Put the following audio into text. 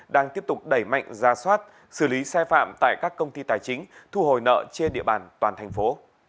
đang tiếp tục đẩy mạnh ra soát xử lý sai phạm tại các công ty tài chính thu hồi nợ trên địa bàn toàn thành phố